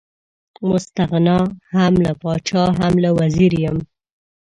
مستغني هم له پاچا هم له وزیر یم.